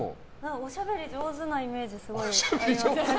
おしゃべり上手なイメージがすごいあります。